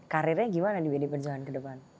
karirnya gimana di pdi perjuangan ke depan